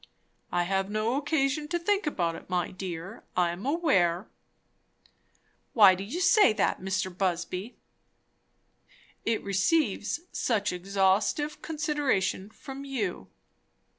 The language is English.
"I have no occasion to think about it, my dear, I am aware." "Why do you say that, Mr. Busby?" "It receives such exhaustive consideration from you."